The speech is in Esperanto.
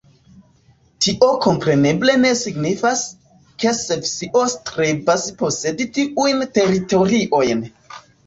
Tio kompreneble ne signifas, ke Svisio strebas posedi tiujn teritoriojn.